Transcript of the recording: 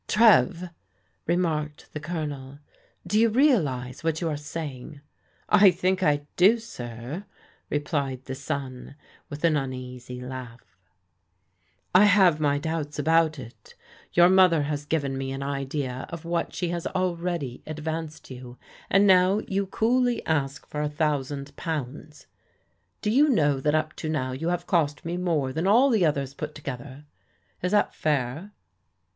" Trev," remarked the Colonel, " do you realize what you are saying?" "I think I do, sir," replied the son with an uneasy laugh. " I have my doubts about it Your mother has given me an idea of what she has already advanced you, and now you coolly ask for a thousand pounds. Do you know that up to now you have cost me more than all the others put together? Is that fair?"